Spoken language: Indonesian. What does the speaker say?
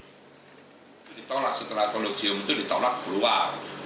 setelah koloksium itu ditolak keluar